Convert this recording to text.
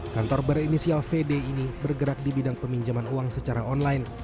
kantor berinisial vd ini bergerak di bidang peminjaman uang secara online